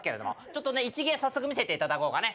ちょっとね一芸早速見せていただこうかね。